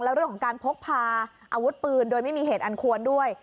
และเรื่องของการพกพาอาวุธปืนโดยไม่มีเหตุอันควรด้วย